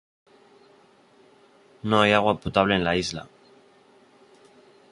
No hay agua potable en la isla.